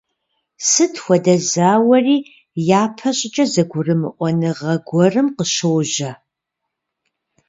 Сыт хуэдэ зауэри япэ щӀыкӀэ зэгурымыӀуэныгъэ гуэрым къыщожьэ.